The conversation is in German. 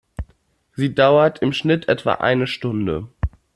Sie dauert im Schnitt etwa eine Stunde.